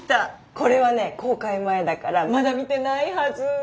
これはね公開前だからまだ見てないはず。